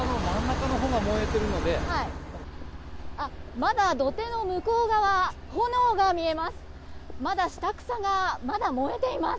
まだ土手の向こう側炎が見えます。